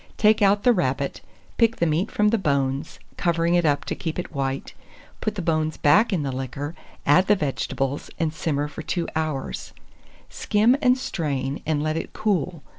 Take out the rabbet, pick the meat from the bones, covering it up to keep it white; put the bones back in the liquor, add the vegetables, and simmer for 2 hours; skim and strain, and let it cool.